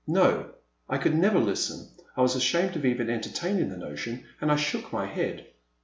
No, I could never listen — I was ashamed of even entertaining the notion, and I shook my head.